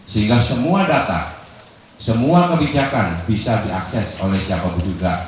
sehingga semua data semua kebijakan bisa diakses oleh siapapun juga